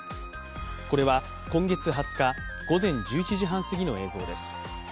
これは今月２０日、午前１１時半すぎの映像です。